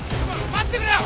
待ってくれよ！